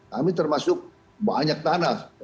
kami termasuk banyak tanah